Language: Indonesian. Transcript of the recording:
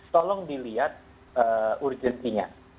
tolong dilihat urgensinya